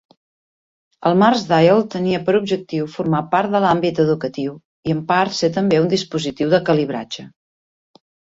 El MarsDial tenia per objectiu formar part de l'àmbit educatiu i en part ser també un dispositiu de calibratge.